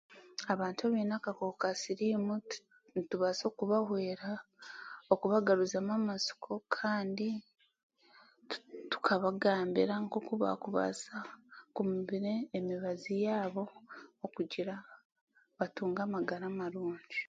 Abantu abaine akakooko ka siriimu nitubaasa okubahweera okubagaruzamu amasiko kandi tukabagambira nk'oku baakubasa kumira emibazi yaabo okugira batunge amagara marungi.